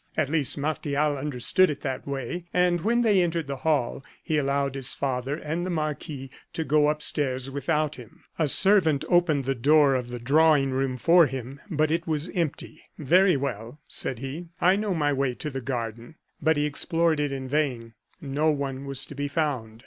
At least Martial understood it in that way; and when they entered the hall, he allowed his father and the marquis to go upstairs without him. A servant opened the door of the drawing room for him but it was empty. "Very well," said he; "I know my way to the garden." But he explored it in vain; no one was to be found.